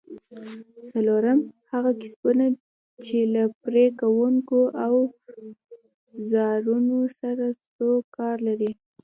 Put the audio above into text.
څلورم: هغه کسبونه چې له پرې کوونکو اوزارونو سره سرو کار لري؟